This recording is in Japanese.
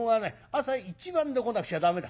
朝一番で来なくちゃ駄目だ。